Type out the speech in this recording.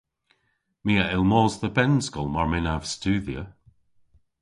My a yll mos dhe bennskol mar mynnav studhya.